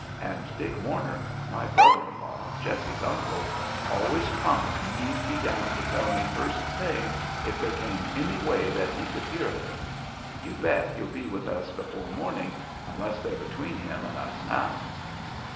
And Dick Warner my brother in law, Jessie's uncle always promised he'd be down to tell me first thing, if they came any way that he could hear of it. You bet he'll be with us before morning, unless they're between him and us now."